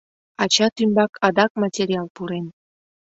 Ачат ӱмбак адак материал пурен.